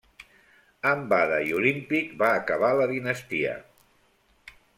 Amb Ada i Olímpic va acabar la dinastia.